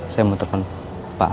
saya mau depan pak al